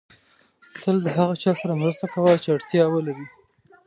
تل د هغه چا سره مرسته کوم چې اړتیا ولري.